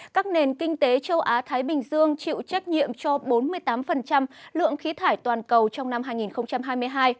các nền kinh tế châu á thái bình dương chịu trách nhiệm cho bốn mươi tám lượng khí thải toàn cầu trong năm hai nghìn hai mươi hai